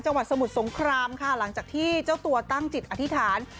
สมุทรสงครามค่ะหลังจากที่เจ้าตัวตั้งจิตอธิษฐาน